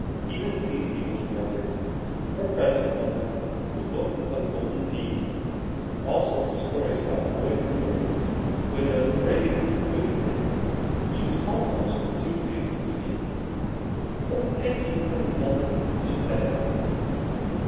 Even Cecy was remembered. Her present was "The Book of Golden Deeds," with all sorts of stories about boys and girls who had done brave and good things. She was almost too pleased to speak. "Oh, thank you, Cousin Helen!" she said at last.